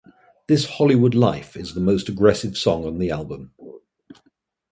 "This Hollywood Life" is the most aggressive song on the album.